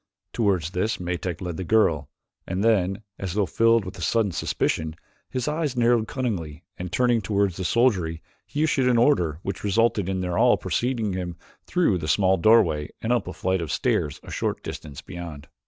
Toward this Metak led the girl, and then, as though filled with a sudden suspicion, his eyes narrowed cunningly and turning toward the soldiery he issued an order which resulted in their all preceding him through the small doorway and up a flight of stairs a short distance beyond.